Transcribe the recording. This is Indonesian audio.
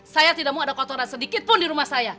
saya tidak mau ada kotoran sedikitpun di rumah saya